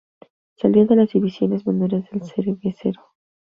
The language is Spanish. Salió de las divisiones menores del cervecero.